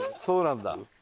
そうなんだ。